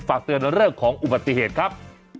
ฝากเตือนเรื่องของอุบัติเหตุครับ